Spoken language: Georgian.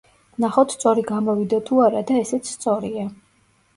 ვნახოთ სწორი გამოვიდა თუ არა და ესეც სწორია.